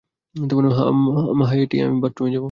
Hattie, আমি বাথরুমে যাবো।